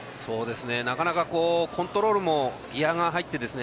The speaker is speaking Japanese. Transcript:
なかなかコントロールもギヤが入ってですね